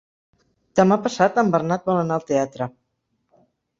Demà passat en Bernat vol anar al teatre.